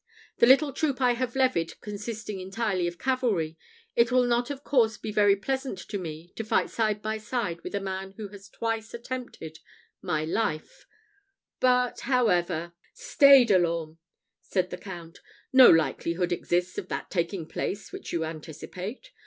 The little troop I have levied consisting entirely of cavalry, it will not of course be very pleasant to me to fight side by side with a man who has twice attempted my life; but however " "Stay, De l'Orme!" said the Count. "No likelihood exists of that taking place which you anticipate.